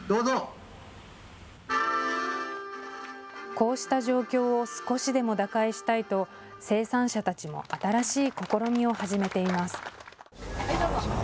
こうした状況を少しでも打開したいと生産者たちも新しい試みを始めています。